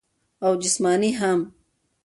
او جسماني هم -